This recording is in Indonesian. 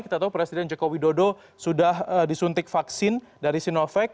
kita tahu presiden joko widodo sudah disuntik vaksin dari sinovac